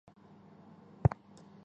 粟末靺鞨得名。